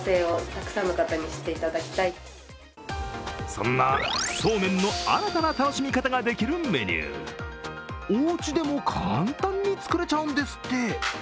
そんな、そうめんの新たな楽しみ方ができるメニューおうちでも簡単に作れちゃうんですって。